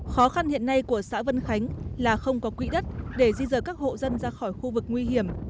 khó khăn hiện nay của xã vân khánh là không có quỹ đất để di rời các hộ dân ra khỏi khu vực nguy hiểm